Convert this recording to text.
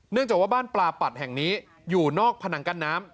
จากว่าบ้านปลาปัดแห่งนี้อยู่นอกผนังกั้นน้ำ